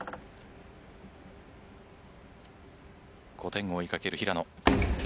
５点を追いかける平野。